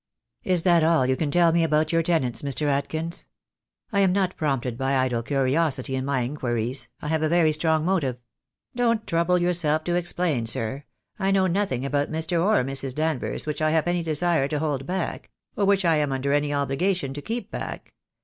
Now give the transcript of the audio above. "Is that all you can tell me about your tenants, Mr. THE DAY WILL COME. 85 Adkins? I am not prompted by idle curiosity in my in quiries. I have a very strong motive " "Don't trouble yourself to explain, sir. I know no thing about Mr. or Mrs. Danvers which I have any desire to hold back — or which I am under any obligation to keep back.